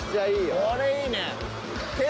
いいね。